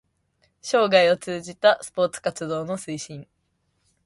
生涯を通じたスポーツ活動の推進